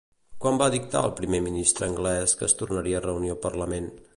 Quan va dictar el primer ministre anglès que es tornaria a reunir el Parlament?